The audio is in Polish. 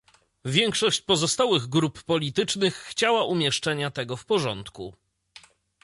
Większość pozostałych grup politycznych chciała umieszczenia tego w porządku